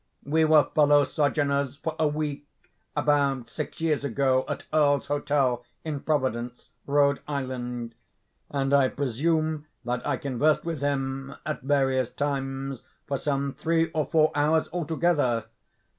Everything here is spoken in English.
We were fellow sojourners for a week about six years ago, at Earl's Hotel, in Providence, Rhode Island; and I presume that I conversed with him, at various times, for some three or four hours altogether.